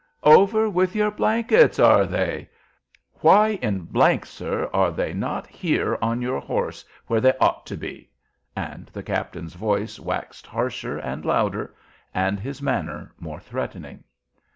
"Over with your blankets, are they? Why in , sir, are they not here on your horse, where they ought to be?" And the captain's voice waxed harsher and louder, and his manner more threatening.